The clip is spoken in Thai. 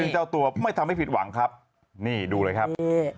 เจอตัวไม่จะไม่ผิดหวังครับนี่ดูเลยครับ